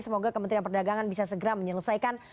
semoga kementerian perdagangan bisa segera menyelesaikan